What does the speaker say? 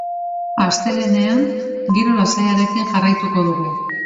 Astelehenean giro lasaiarekin jarraituko dugu.